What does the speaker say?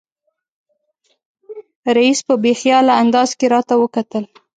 رییس په بې خیاله انداز کې راته وکتل.